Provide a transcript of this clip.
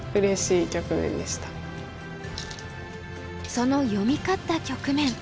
その読み勝った局面。